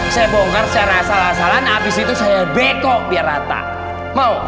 saya bongkar secara asal asalan abis itu saya bekok biar rata mau